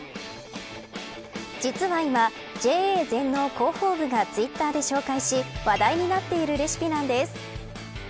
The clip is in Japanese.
実は今ＪＡ全農広報部がツイッターで紹介し話題になっているレシピなんです。